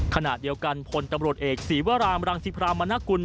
ขณะเดียวกันพลตำรวจเอกศีวรามรังสิพรามณกุล